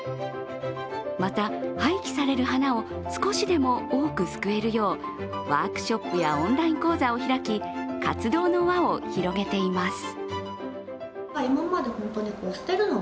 また、廃棄される花を少しでも救えるようワークショップやオンライン講座を開き、活動の輪を広げています。